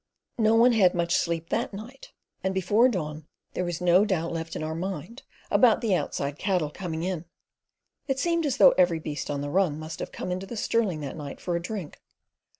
No one had much sleep that night, and before dawn there was no doubt left in our mind about the outside cattle coming in. It seemed as though every beast on the run must have come in to the Stirling that night for a drink.